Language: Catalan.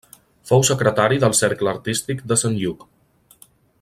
Fou secretari del Cercle Artístic de Sant Lluc.